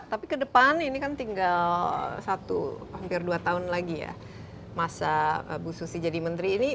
tapi ke depan ini kan tinggal satu hampir dua tahun lagi ya masa bu susi jadi menteri ini